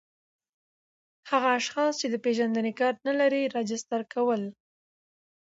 هغه اشخاص چي د پېژندني کارت نلري راجستر کول